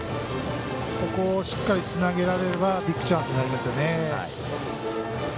ここをしっかりつなげられればビッグチャンスになりますね。